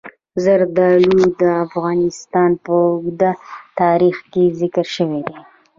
زردالو د افغانستان په اوږده تاریخ کې ذکر شوی دی.